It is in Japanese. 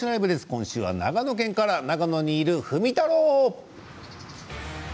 今週は長野県から長野にいるふみたろう。